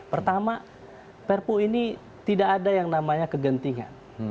pertama perpu ini tidak ada yang namanya kegentingan